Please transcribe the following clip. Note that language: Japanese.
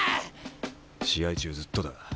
試合中ずっとだ。